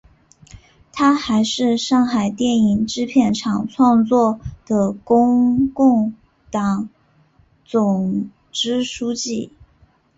她还是上海电影制片厂创作室的中共党总支书记。